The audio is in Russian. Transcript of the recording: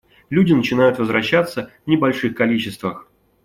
Люди начинают возвращаться в небольших количествах.